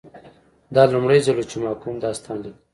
دا لومړی ځل و چې ما کوم داستان لیکه